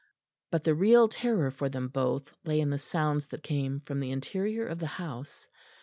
But the real terror for them both lay in the sounds that came from the interior of the house.